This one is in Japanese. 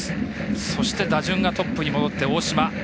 そして、打順がトップに戻って大島。